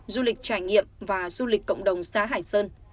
du lịch trải nghiệm và du lịch cộng đồng xã hải sơn